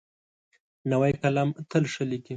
نوی قلم تل ښه لیکي.